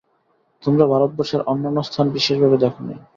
তোমরা ভারতবর্ষের অন্যান্য স্থান বিশেষভাবে দেখ নাই।